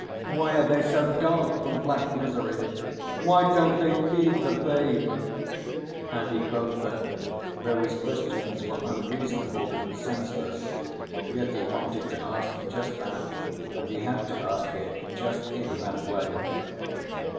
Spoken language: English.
Why are they so dark from black misery? Why don't they feed the babe?" And he felt that, though his questions were unreasonable and senseless, yet he wanted to ask just that, and he had to ask it just in that way.